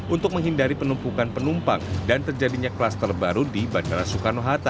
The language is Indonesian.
untuk menghindari penumpukan penumpang dan terjadinya kluster baru di bandara soekarno hatta